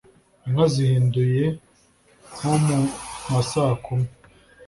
Inka zihinduye nko mu masaa kumi